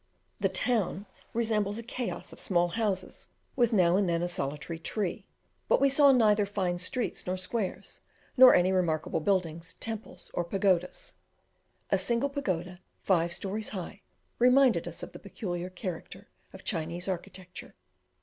The town resembles a chaos of small houses, with now and then a solitary tree, but we saw neither fine streets nor squares, nor any remarkable buildings, temples, or pagodas. A single pagoda, five stories high, reminded us of the peculiar character of Chinese architecture.